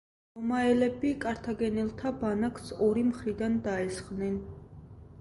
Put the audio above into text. რომაელები კართაგენელთა ბანაკს ორი მხრიდან დაესხნენ.